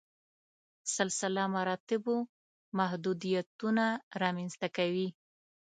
سلسله مراتبو محدودیتونه رامنځته کوي.